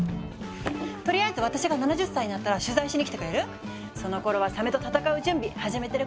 とりあえず私が７０歳になったら取材しに来てくれる？そのころはサメと戦う準備始めてるころだから。